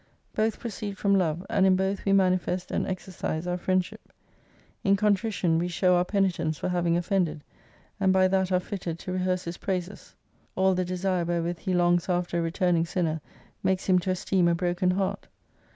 Both proceed from love, and in both we manifest and exercise our friendship. In contrition we show our penitence for having offended, and by that are fitted to rehearse His praises. All the desire wherewith He longs after a returning sinner, makes Him to esteem a broken heart.